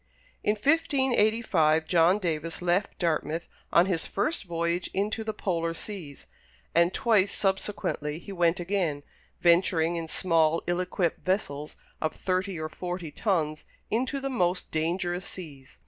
In 1585 John Davis left Dartmouth on his first voyage into the Polar Seas; and twice subsequently he went again, venturing in small, ill equipped vessels of thirty or forty tons into the most dangerous seas.